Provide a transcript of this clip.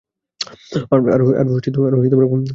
R colonel uncle?